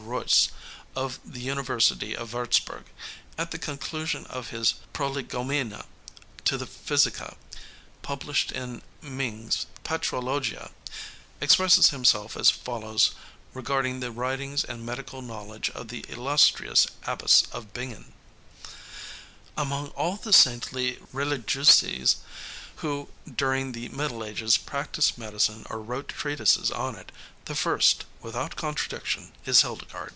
Reuss, of the University of Würtzburg, at the conclusion of his Prolegomena to the Physica published in Migne's Patrologia, expresses himself as follows regarding the writings and medical knowledge of the illustrious abbess of Bingen: "Among all the saintly religieuses who, during the Middle Ages, practiced medicine or wrote treatises on it, the first, without contradiction, is Hildegard.